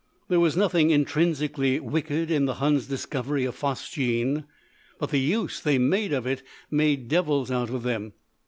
"There was nothing intrinsically wicked in the huns' discovery of phosgene. But the use they made of it made devils out of them.